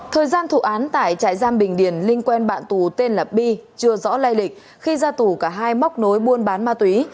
thời gian thụ án tại trại giam bình điền linh quen bạn tù tên là bi chưa rõ lây lịch khi ra tù cả hai móc nối buôn bán ma túy